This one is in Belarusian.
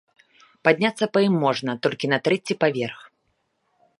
Падняцца па ім можна толькі на трэці паверх.